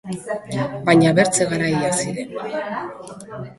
Baina bertze garaiak ziren.